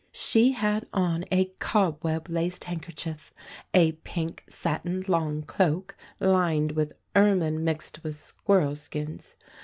She had on a cobweb laced handkerchief, a pink satin long cloak, lined with ermine mixed with squirrel skins.